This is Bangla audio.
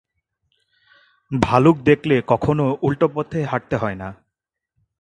ভালুক দেখলে কখনও উল্টো পথে হাঁটতে হয় না।